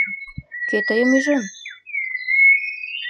Кӧ тыйым ӱжын?